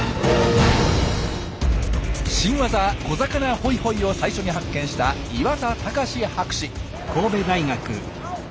新ワザ「小魚ホイホイ」を最初に発見した岩田高志博士。